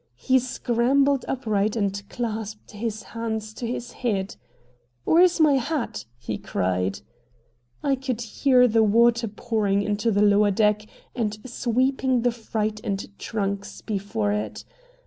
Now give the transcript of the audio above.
He scrambled upright and clasped his hands to his head. "Where's my hat?" he cried. I could hear the water pouring into the lower deck and sweeping the freight and trunks before it.